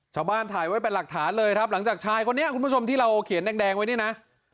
ชาวบ้านถ่ายไว้เป็นหลักฐานเลยครับหลังจากชายคนนี้คุณผู้ชมที่เราเขียนแดงไว้เนี่ยนะ